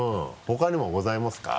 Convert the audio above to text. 他にもございますか？